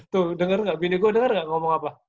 tuh denger gak bini gue dengar gak ngomong apa